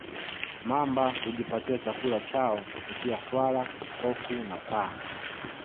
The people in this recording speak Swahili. mamba hujipatia chakula chao kupitia swala pofu na paa